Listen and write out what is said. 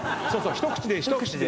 一口で一口で。